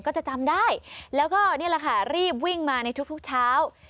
ก็จะจำได้แล้วก็นี่แหละค่ะรีบวิ่งมาในทุกเช้า